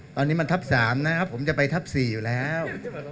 ตอนนี้มันทับ๓นะครับผมจะไปทับ๔อยู่แล้ว